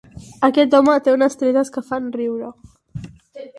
Aquest home té unes tretes que fan riure.